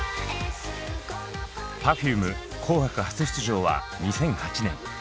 Ｐｅｒｆｕｍｅ「紅白初出場」は２００８年。